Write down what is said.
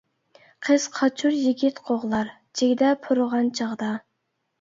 قىز قاچۇر يىگىت قوغلار، جىگدە پۇرىغان چاغدا.